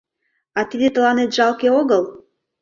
А тиде тыланет жалке огыл?